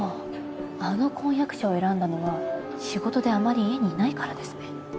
あの婚約者を選んだのは仕事であまり家にいないからですね。